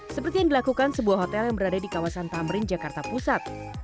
seperti yang dilakukan sebuah hotel yang berada di kawasan tamrin jakarta pusat